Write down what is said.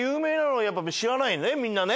みんなね。